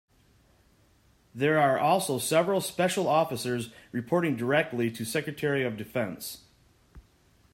There are also several special officers reporting directly to Secretary of Defense.